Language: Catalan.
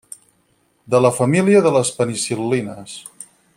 De la família de les penicil·lines.